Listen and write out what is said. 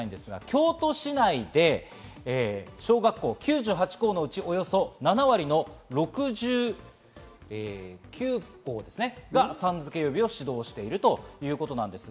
京都市内で小学校９８校のうち、およそ７割の６９校がさん付け呼びを指導しているということです。